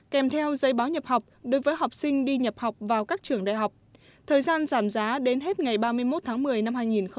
kèm theo giấy báo nhập học đối với học sinh đi nhập học vào các trường đại học thời gian giảm giá đến hết ngày ba mươi một tháng một mươi năm hai nghìn một mươi chín